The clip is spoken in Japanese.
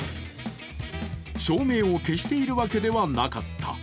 照明を消しているわけではなかった。